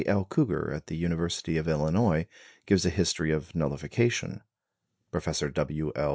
L. Couger at the University of Illinois, gives a history of nullification; Professor W. L.